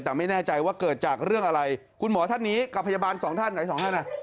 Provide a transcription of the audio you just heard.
แต่ไม่แน่ใจว่าเกิดจากเรื่องอะไรคุณหมอท่านนี้กับพยาบาลสองท่านไหนสองท่านอ่ะ